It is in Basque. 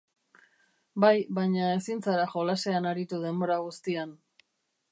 Bai, baina ezin zara jolasean aritu denbora guztian.